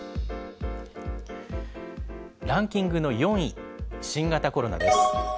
ランキングの４位、新型コロナです。